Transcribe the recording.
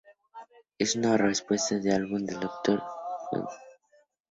Es una respuesta al álbum de Dr. Dre, The Chronic.